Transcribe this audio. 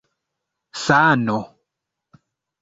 sano